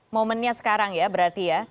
momennya sekarang ya berarti ya